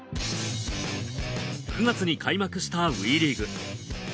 ９月に開幕したＷＥリーグ。